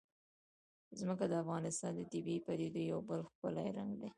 ځمکه د افغانستان د طبیعي پدیدو یو بل ښکلی رنګ دی.